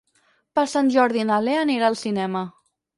Per Sant Jordi na Lea anirà al cinema.